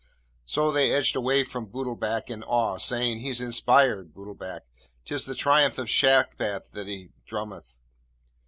So they edged away from Bootlbac in awe, saying, 'He's inspired, Bootlbac! 'tis the triumph of Shagpat he drummeth.'